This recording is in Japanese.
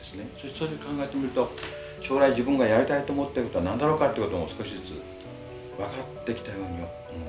それで考えてみると将来自分がやりたいと思ってることは何だろうかってことも少しずつ分かってきたように思うんです。